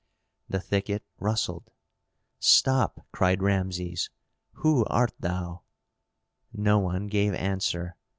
The thicket rustled. "Stop!" cried Rameses; "who art thou?" No one gave answer.